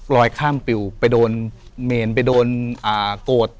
ข้ามปิวไปโดนเมนไปโดนโกรธ